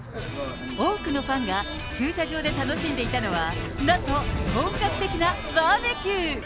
多くのファンが駐車場で楽しんでいたのは、なんと本格的なバーベキュー。